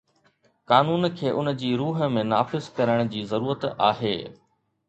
قانون کي ان جي روح ۾ نافذ ڪرڻ جي ضرورت آهي